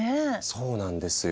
そうなんですよ。